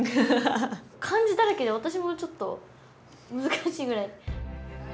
漢字だらけで私もちょっと難しいぐらい。